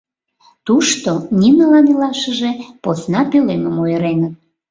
Тушто Ниналан илашыже посна пӧлемым ойыреныт.